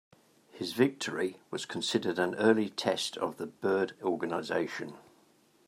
His victory was considered an early test of the Byrd Organization.